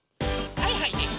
はいはいです！